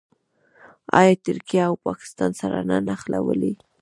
آیا ترکیه او پاکستان سره نه نښلوي؟